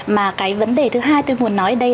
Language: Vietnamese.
mà cái vấn đề thứ hai tôi muốn nói đây